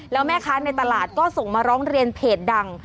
แล้วแม่ค้าในตลาดก็ส่งมาร้องเรียนเพจดัง